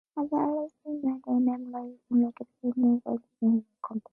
Other reserved memory locations controlled operand sizes when that size was not constant.